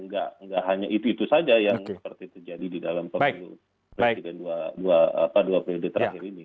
dan nggak hanya itu itu saja yang seperti itu jadi di dalam perjuangan dua periode terakhir ini